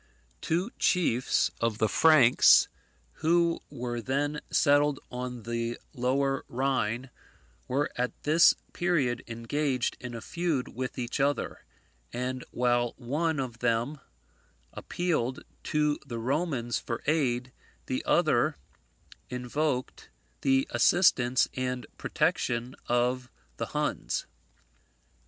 Two chiefs of the Franks, who were then settled on the lower Rhine, were at this period engaged in a feud with each other: and while one of them appealed to the Romans for aid, the other invoked the assistance and protection of the Huns.